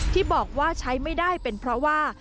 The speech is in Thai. ที่บอกว่าใช้ไม่ได้เป็นเพราะว่า